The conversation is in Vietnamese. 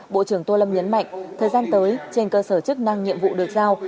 bộ trưởng tô lâm nhấn mạnh thời gian tới trên cơ sở chức năng nhiệm vụ được giao